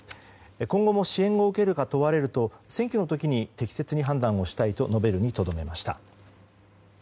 今後も支援を受けるか問われると選挙の時に適切に判断をしたいと述べるにとどめました。